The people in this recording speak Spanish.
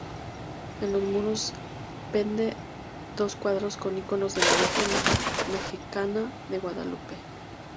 En los muros penden dos cuadros con iconos de la Virgen mejicana de Guadalupe.